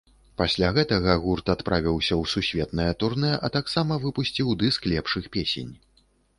Пасля гэтага гурт адправіўся ў сусветнае турнэ, а таксама выпусціў дыск лепшых песень.